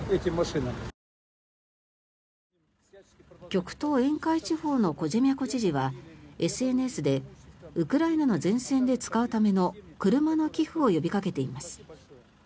極東沿海地方のコジェミャコ知事はＳＮＳでウクライナの前線で使うための車の寄付を呼びかけています。